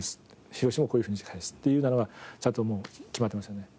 ひろしもこういうふうにして返すっていうなのがちゃんともう決まってますよね。